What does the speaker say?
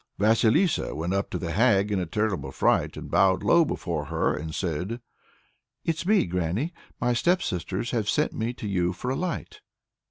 Vasilissa went up to the hag in a terrible fright, bowed low before her, and said: "It's me, granny. My stepsisters have sent me to you for a light."